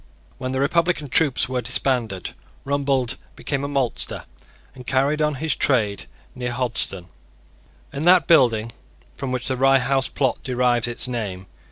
When the Republican troops were disbanded, Rumbold became a maltster, and carried on his trade near Hoddesdon, in that building from which the Rye House plot derives its name.